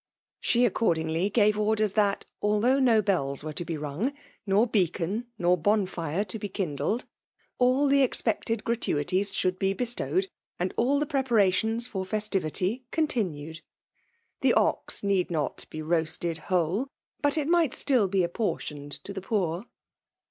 She accordingly gave orders that, although no bells were to be rung, nor beacon, nor bonfire to be kindled, all tiie expected gratuities should bci bestowed, and all the preparations for fes tivity continued. The ox need not be roasted whole ; but it might stQl be apportioned to ihe poor.